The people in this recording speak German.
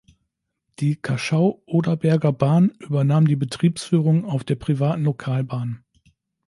Die Kaschau-Oderberger Bahn übernahm die Betriebsführung auf der privaten Lokalbahn.